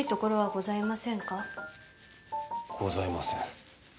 ございません。